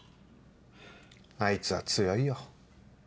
あいつは強いよ。